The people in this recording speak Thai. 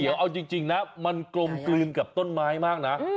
คิดเลยเขียวเอาจริงนะมันกรมกลืนกับต้นไม้มากนะ